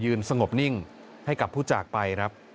ยืนสงบนิ่งให้กับผู้จากไป